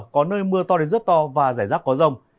có nơi mưa to đến rất to và rải rác có rông